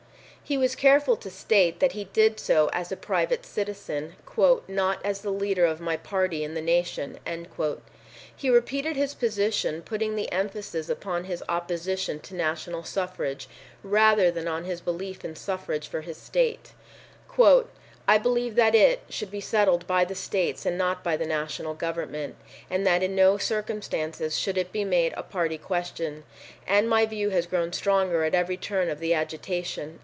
He was careful to state that he did so as a private citizen, "not as the leader of my party in the nation" He repeated his position, putting the emphasis upon his opposition to national suffrage, rather than on his belief in suffrage for his state. "I believe that it (suffrage) should be settled by the states and not by the national government, and that in no circumstances should it be made a party question; and my view has grown stronger at every turn of the agitation."